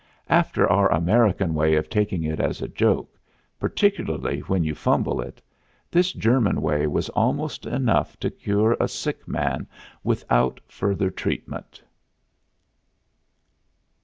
After our American way of taking it as a joke, particularly when you fumble it, this German way was almost enough to cure a sick man without further treatment.